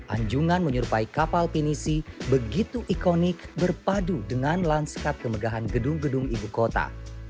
anjungan menyerupai kapal pinisi begitu ikonik berpadu dengan lanskap kemegahan gedung gedung ibu kota